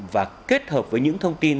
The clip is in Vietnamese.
và kết hợp với những thông tin